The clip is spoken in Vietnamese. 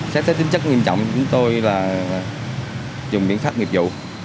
xác tích tính chất nghiêm trọng của chúng tôi là dùng biện pháp nghiệp vụ